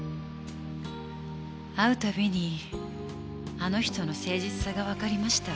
会うたびにあの人の誠実さがわかりました。